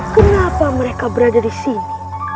ketika mereka berada disini